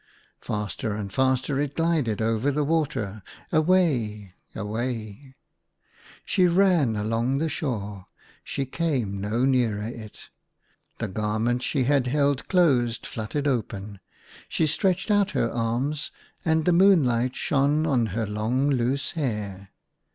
Faster and faster it glided ^ over the water away, away. She ran IN A FAR OFF WORLD. 63 along the shore ; she came no nearer it. The garment she had held closed flut tered open ; she stretched out her arms, and the moonlight shone on her long loose hair.